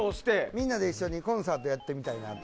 みんなで一緒にコンサートやってみたりなんか。